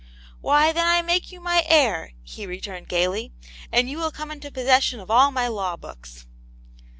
" Why, then, I make you my heir !" he returned, gaily, " and you will come into possession of all my law books."